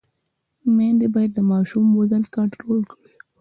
میندې باید د ماشوم وزن کنټرول کړي۔